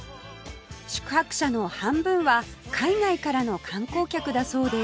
宿泊者の半分は海外からの観光客だそうです